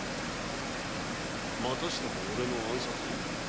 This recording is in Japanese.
またしてもオレの暗殺？